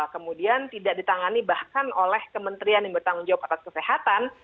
kemudian tidak ditangani bahkan oleh kementerian yang bertanggung jawab atas kesehatan